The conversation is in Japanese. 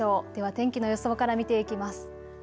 天気の予想から見ていきます。